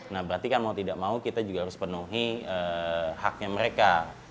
nah berarti kan mau tidak mau kita juga harus penuhi haknya mereka